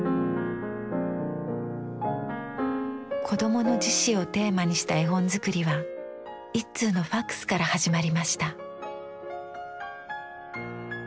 「子供の自死」をテーマにした絵本作りは一通のファックスから始まりました。